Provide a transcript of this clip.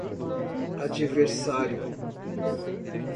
adversário